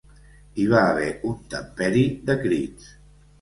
Hi va haver un temperi de crits.